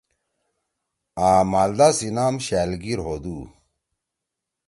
آں مالدا سی نام شألگیر ہودُو۔